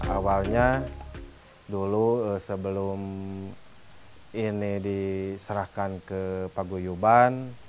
awalnya dulu sebelum ini diserahkan ke pak guyubar